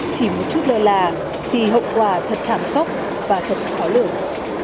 chỉ một chút lơ là thì hậu quả thật thảm khốc và thật khó lường